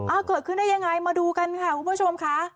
เกิดขึ้นได้ยังไงมาดูกันค่ะคุณผู้ชมค่ะ